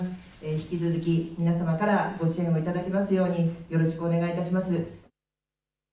引き続き皆様からご支援をいただきますようによろしくお願いいたします。